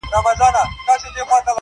عاقبت غلیم د بل، دښمن د ځان دی! !